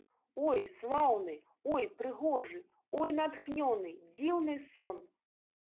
Ой, слаўны, ой, прыгожы, ой, натхнёны, дзіўны сон!